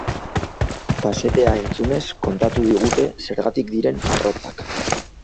Kasetea entzunez kontatu digute zergatik diren arrotzak.